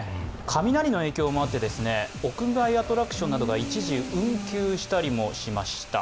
雷の影響もあって、屋外アトラクションなどが一時運休したりもしました。